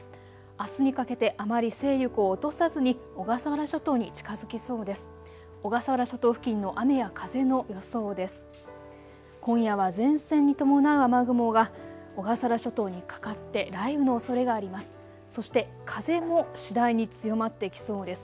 あすにかけてあまり勢力を落とさずに小笠原諸島に近づきそうです。